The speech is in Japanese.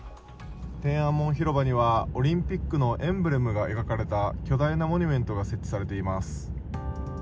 天安門広場にはオリンピックのエンブレムが描かれた巨大なモニュメントが設置されています。